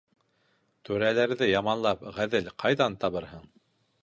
Түрәләрҙе яманлап, ғәҙел ҡайҙан табырһың?